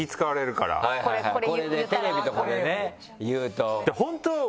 これでテレビとかでね言うと。